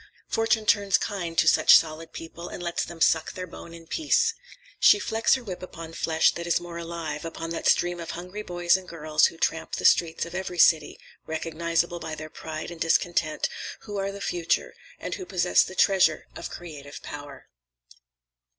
Fortune turns kind to such solid people and lets them suck their bone in peace. She flecks her whip upon flesh that is more alive, upon that stream of hungry boys and girls who tramp the streets of every city, recognizable by their pride and discontent, who are the Future, and who possess the treasure of creative power.